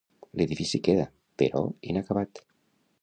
L'edifici queda, però, inacabat.